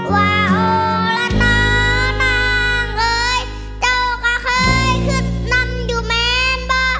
ว่าโอละน้อน้องเฮ้ยเจ้าก็เคยขึ้นนำอยู่แม้นบ่